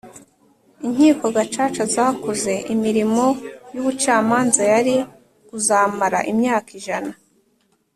Inkiko gacaca zakoze imirimo y’ubucamanza yari kuzamara imyaka ijana